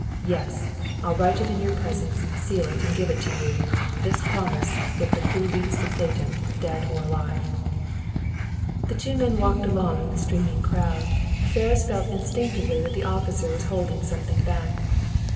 "Yes! I'll write it in your presence, seal it, and give it to you this promise, if the clue leads to Clayton, dead or alive." The two men walked along in the streaming crowd. Ferris felt instinctively that the officer was holding something back.